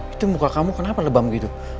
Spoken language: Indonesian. itu muka kamu kenapa lebam gitu